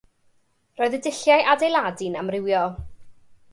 Roedd y dulliau adeiladu'n amrywio.